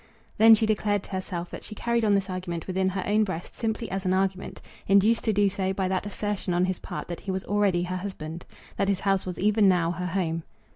Then she declared to herself that she carried on this argument within her own breast simply as an argument, induced to do so by that assertion on his part that he was already her husband, that his house was even now her home.